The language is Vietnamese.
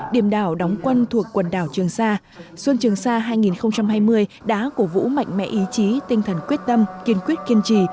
điểm đảo đóng quân thuộc quần đảo trường sa xuân trường sa hai nghìn hai mươi đã cổ vũ mạnh mẽ ý chí tinh thần quyết tâm kiên quyết kiên trì